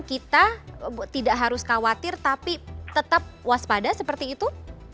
kita tidak harus khawatir tapi tetap waspada seperti itu